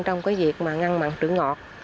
trong việc ngăn mặn trữ ngọt